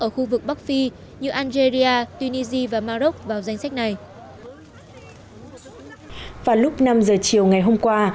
ở khu vực bắc phi như algeria tunisia và maroc vào danh sách này vào lúc năm giờ chiều ngày hôm qua